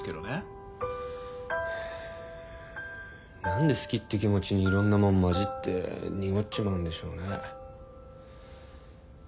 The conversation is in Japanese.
はあ何で好きって気持ちにいろんなもん混じって濁っちまうんでしょうね。